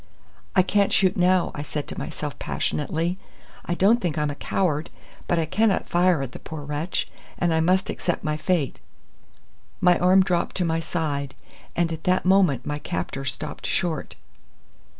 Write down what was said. "I can't shoot now," I said to myself passionately; "I don't think I'm a coward, but I cannot fire at the poor wretch, and I must accept my fate." My arm dropped to my side, and at that moment my captor stopped short.